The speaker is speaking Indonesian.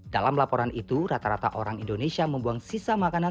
dalam laporan itu rata rata orang indonesia membuang sisa makanan